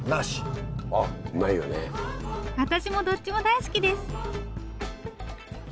私もどっちも大好きです。